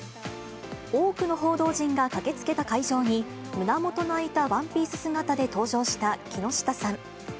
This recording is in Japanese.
多くの報道陣が駆けつけた会場に、胸元の開いたワンピース姿で登場した木下さん。